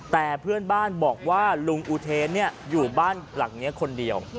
แต่เพื่อนบ้านบอกว่าลุงอุเทนอยู่บ้านหลังนี้คนเดียว